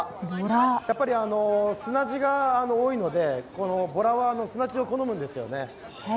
やっぱり砂地か多いのでボラは砂地を好むんですよね。